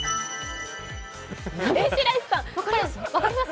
上白石さん、分かります？